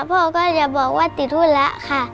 พ่อก็จะบอกว่าติดหุ้นละค่ะ